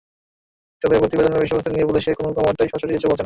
তবে প্রতিবেদনের বিষয়বস্তু নিয়ে পুলিশের কোনো কর্মকর্তাই সরাসরি কিছু বলছেন না।